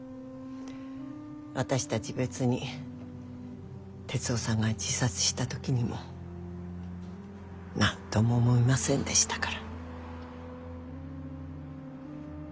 私たち別に徹生さんが自殺した時にも何とも思いませんでしたから。